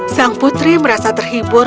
sang putri merasa terhibur